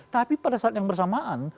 tapi pada saat yang bersamaan